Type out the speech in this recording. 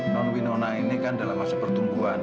non winona ini kan dalam masa pertumbuhan